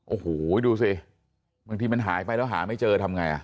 โอ้โหดูสิบางทีมันหายไปแล้วหาไม่เจอทำไง